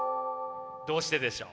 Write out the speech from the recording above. どうしてでしょう？